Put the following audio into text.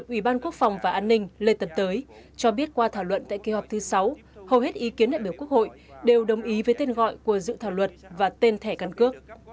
trước khi xét qua thảo luận tại kỳ họp thứ sáu hầu hết ý kiến đại biểu quốc hội đều đồng ý với tên gọi của dự thảo luật và tên thẻ căn cước